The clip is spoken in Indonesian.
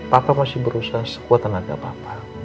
papa masih berusaha sekuat tenaga papa